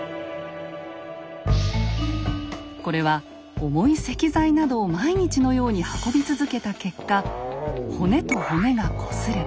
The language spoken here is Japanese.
これは重い石材などを毎日のように運び続けた結果骨と骨がこすれ